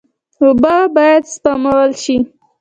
اوبه باید سپمول شي.